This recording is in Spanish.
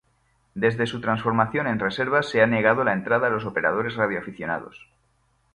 Desde su transformación en reserva, se ha negado la entrada a los operadores radioaficionados.